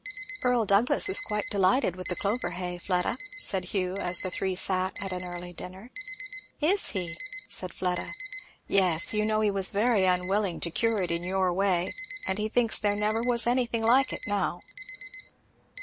"Earl Douglass is quite delighted with the clover hay, Fleda," said Hugh, as the three sat at an early dinner. "Is he?" said Fleda. "Yes, you know he was very unwilling to cure it in your way and he thinks there never was anything like it now."